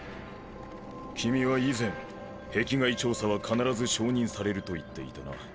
君は以前壁外調査は必ず承認されると言っていたな。